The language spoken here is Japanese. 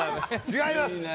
違います